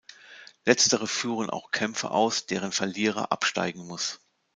Letztere führen auch Kämpfe aus, deren Verlierer absteigen muss.